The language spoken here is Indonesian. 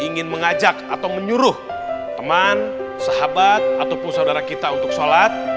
ingin mengajak atau menyuruh teman sahabat ataupun saudara kita untuk sholat